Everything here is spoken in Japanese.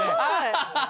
アハハハ！